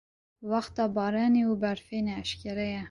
wexta baranê û berfê ne eşkereye.